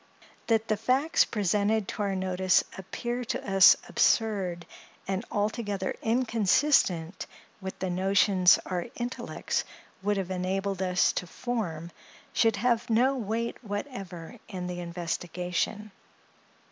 That the facts presented to our notice appear to us absurd, and altogether inconsistent with the notions our intellects would have enabled us to form, should have no weight whatever in the investigation.